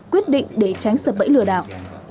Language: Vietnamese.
quyết định để tránh sợ bẫy lừa đảo